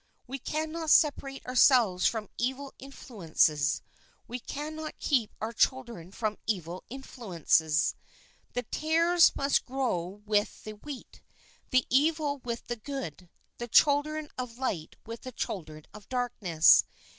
We cannot separate ourselves from evil influ ences ; we cannot keep our children from evil influences. The tares must grow with the wheat, the evil with the good, the children of light with the children of darkness.